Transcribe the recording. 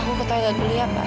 aku ketahuan dulu ya pak